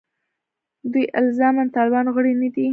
دوی الزاماً د طالبانو غړي نه دي.